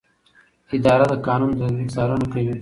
اداره د قانون د تطبیق څارنه کوي.